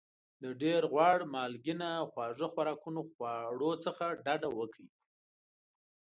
د ډېر غوړ مالګېنه او خواږه خوراکونو خواړو څخه ډاډه وکړئ.